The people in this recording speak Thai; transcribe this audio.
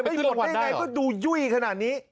ผลได้ไงก็ดูยุ่ยขนาดนี้